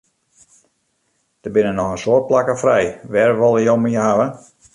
Der binne noch in soad plakken frij, wêr wolle jo my hawwe?